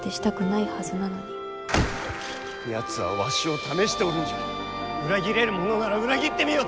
やつはわしを試しておるんじゃ裏切れるものなら裏切ってみよと！